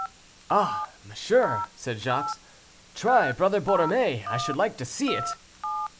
"Ah! monsieur," said Jacques, "try Brother Borromée; I should like to see it."